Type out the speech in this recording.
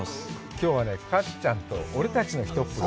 きょうはね、かっちゃんと「俺たちのひとっ風呂！」。